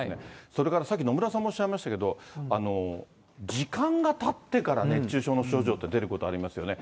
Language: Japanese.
それからさっき野村さんもおっしゃいましたけれども、時間がたってから熱中症の症状って出ることありますよね。